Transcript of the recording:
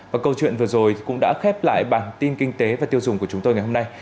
và câu chuyện vừa rồi cũng đã khép lại bản tin kinh tế và tiêu dùng của chúng tôi ngày hôm nay